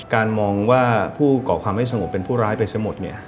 การมองว่าผู้เกาะความไม่สงบเป็นผู้ร้ายไปเสียหมดเนี่ย